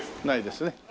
ないですね。